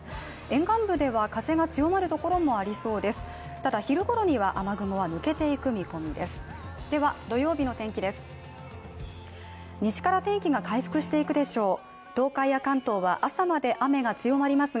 沿岸部では風が強まるところもありそうです。